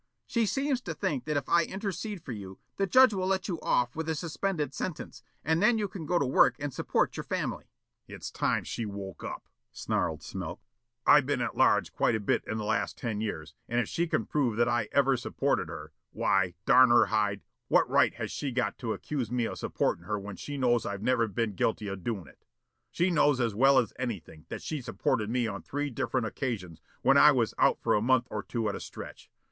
"She seems to think that if I intercede for you the judge will let you off with a suspended sentence, and then you can go to work and support your family." "It's time she woke up," snarled Smilk. "I been at large quite a bit in the last ten years and if she can prove that I ever supported her, why, darn her hide, what right has she got to accuse me of supportin' her when she knows I've never been guilty of doin' it? She knows as well as anything that she supported me on three different occasions when I was out for a month or two at a stretch.